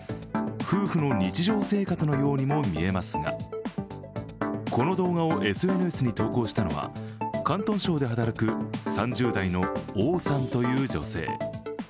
夫婦の日常生活のようにも見えますが、この動画をＳＮＳに投稿したのは広東省で働く３０代の王さんという女性。